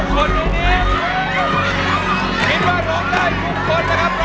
หรือไม่ได้ครับ